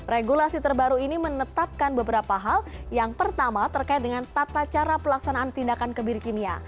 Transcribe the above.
regulasi terbaru ini menetapkan beberapa hal yang pertama terkait dengan tata cara pelaksanaan tindakan kebiri kimia